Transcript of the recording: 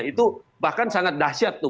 itu bahkan sangat dahsyat tuh